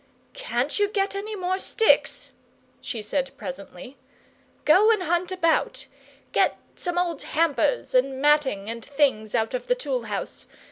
"Can't you get any more sticks?" she said presently. "Go and hunt about. Get some old hampers and matting and things out of the tool house.